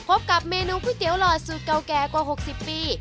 พบกับเมนูพุ้เตี๋ยวหล่อยสรุดเก่าแก่กว่า๖๐ปี